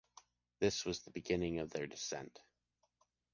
This was the beginning of their descent.